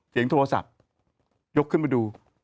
เสียงโทรศัพท์ยกขึ้นมาดู